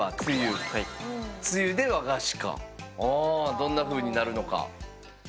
どんなふうになるのか。